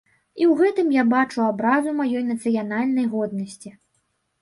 І ў гэтым я бачу абразу маёй нацыянальнай годнасці.